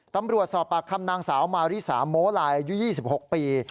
ตำรวจสอบปากคำนางสาวมาริสาโม้ลายอายุ๒๖ปี